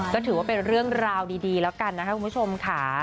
ก็ถือว่าเป็นเรื่องราวดีแล้วกันนะครับคุณผู้ชมค่ะ